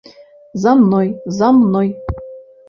За мной, за мной.